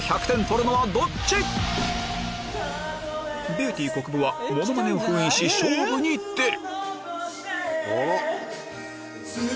ビューティーこくぶはモノマネを封印し勝負に出る